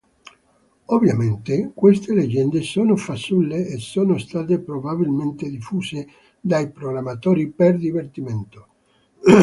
Ovviamente queste leggende sono fasulle e sono state probabilmente diffuse dai programmatori per divertimento.